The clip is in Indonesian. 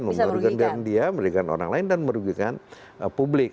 merugikan dia merugikan orang lain dan merugikan publik